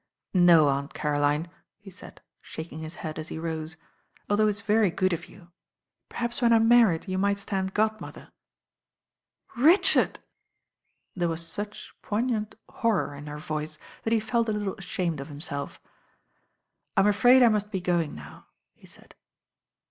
"No, Aunt Caroline," he said, shaking his head as he rose, "although it's very good of you. Perhaps when I'm married you might stand godmother ^* "Richard 1" There was such poignant horror in her voice that he felt a little ashamed of himself. "I'm afraid I must be going now," he said.